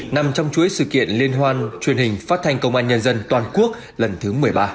nằm trong chuỗi sự kiện liên hoan truyền hình phát thanh công an nhân dân toàn quốc lần thứ một mươi ba